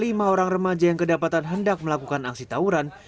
lima orang remaja yang kedapatan hendak melakukan aksi tawuran